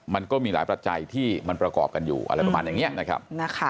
มันก็มีหลายปัจจัยที่มันประกอบกันอยู่อะไรประมาณอย่างนี้นะครับ